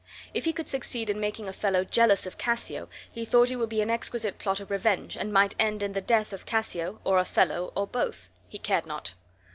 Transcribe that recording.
If he could succeed in making Othello jealous of Cassio he thought it would be an exquisite plot of revenge and might end in the death of Cassio or Othello, or both; he cared not.